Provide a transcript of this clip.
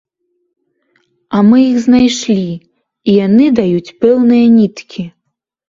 А мы іх знайшлі, і яны даюць пэўныя ніткі.